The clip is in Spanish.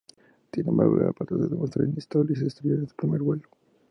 Sin embargo, el aparato se demostró inestable y se estrelló en su primer vuelo.